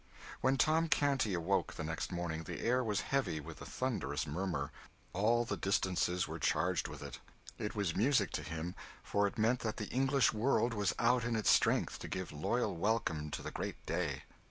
When Tom Canty awoke the next morning, the air was heavy with a thunderous murmur: all the distances were charged with it. It was music to him; for it meant that the English world was out in its strength to give loyal welcome to the great day.